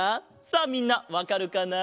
さあみんなわかるかな？